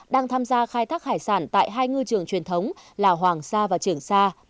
đang tham gia khai thác hải sản tại hai ngư trường truyền thống là hoàng sa và trường sa